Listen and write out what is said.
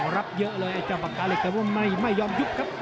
รับเยอะเลยไอ้เจ้าปากกาเหล็กแต่ว่าไม่ยอมยุบครับ